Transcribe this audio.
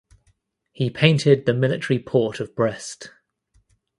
He painted the military port of Brest.